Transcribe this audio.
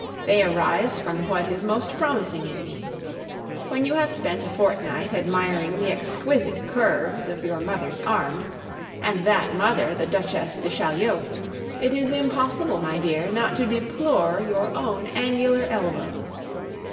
They arise from what is most promising in me. When you have spent a fortnight admiring the exquisite curves of your mother's arms, and that mother the Duchesse de Chaulieu, it is impossible, my dear, not to deplore your own angular elbows.